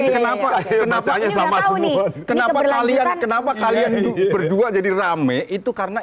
kenapa kenapa kalian kenapa kalian berdua jadi rame itu karena